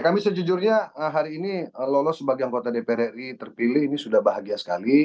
kami sejujurnya hari ini lolos sebagai anggota dpr ri terpilih ini sudah bahagia sekali